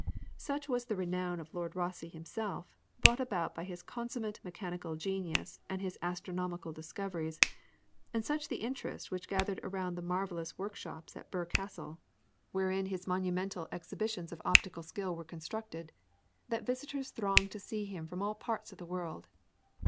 Such was the renown of Lord Rosse himself, brought about by his consummate mechanical genius and his astronomical discoveries, and such the interest which gathered around the marvellous workshops at Birr castle, wherein his monumental exhibitions of optical skill were constructed, that visitors thronged to see him from all parts of the world.